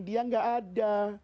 dia gak ada